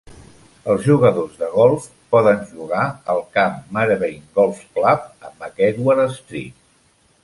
Els jugadors de golf poden jugar al camp Merbein Golf Club a McEdward Street.